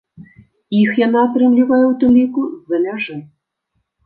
Іх яна атрымлівае ў тым ліку з-за мяжы.